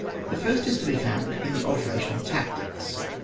The first is to be found in the altera tion in tactics.